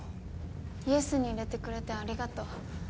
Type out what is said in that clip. ＹＥＳに入れてくれてありがとう。